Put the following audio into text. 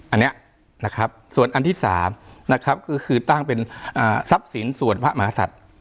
อันนี้นะครับส่วนอันที่๓นะครับก็คือตั้งเป็นทรัพย์สินส่วนพระมหาศัตริย์